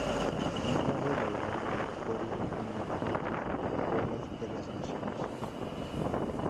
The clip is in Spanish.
Más tarde logró la victoria en la Contra-reloj de las Naciones.